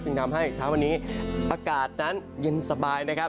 ทำให้เช้าวันนี้อากาศนั้นเย็นสบายนะครับ